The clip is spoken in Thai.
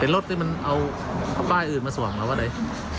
เป็นรถที่มันเอาป้ายอื่นมาสวมหรือเปล่าว่าไหน